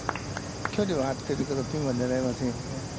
距離は合ってるけど、ピンは狙いません。